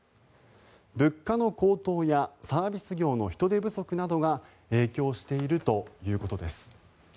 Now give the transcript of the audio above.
物価の高騰やサービス業の人手不足などが影響しているということです。